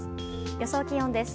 予想気温です。